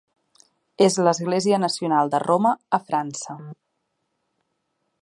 És l'església nacional de Roma a França.